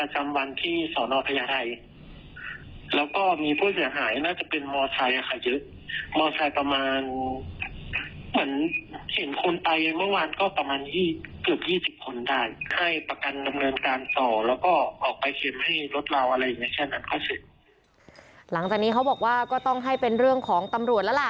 หลังจากนี้เขาบอกว่าก็ต้องให้เป็นเรื่องของตำรวจแล้วล่ะ